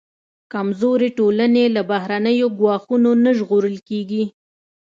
کمزورې ټولنې له بهرنیو ګواښونو نه ژغورل کېږي.